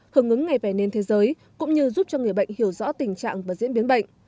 hưởng ứng ngày vẩy nến thế giới cũng như giúp cho người bệnh hiểu rõ tình trạng và diễn biến bệnh